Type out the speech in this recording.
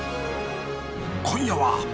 今夜は。